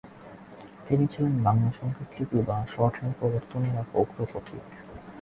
তিনি ছিলেন বাংলা সংকেত লিপি বা শর্ট হ্যান্ড প্রবর্তনের এক অগ্রপথিক।